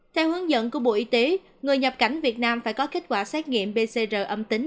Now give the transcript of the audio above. theo hướng dẫn của bộ y tế người nhập cảnh việt nam phải có kết quả xét nghiệm pcr âm tính